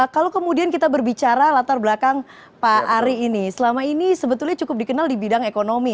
kalau kemudian kita berbicara latar belakang pak ari ini selama ini sebetulnya cukup dikenal di bidang ekonomi